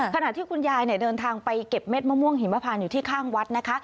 ขณะที่คุณยายเดินทางไปเก็บเม็ดมะม่วงหิมพานอยู่ที่ข้างวัดนะคะ